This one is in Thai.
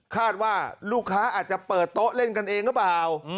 คาดว่าลูกค้าอาจจะเปิดโต๊ะเล่นกันเองหรือเปล่า